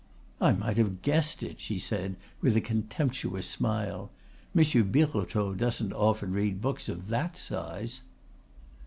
"I might have guessed it," she said, with a contemptuous smile. "Monsieur Birotteau doesn't often read books of that size."